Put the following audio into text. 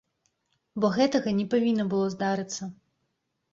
Бо гэтага не павінна было здарыцца.